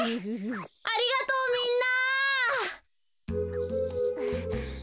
ありがとうみんな。